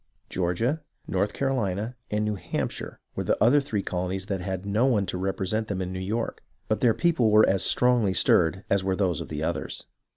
Georgia, North Carolina, and New Hamp shire were the other three colonies that had no one to represent them in New York, but their people were as strongly stirred as were those of the others.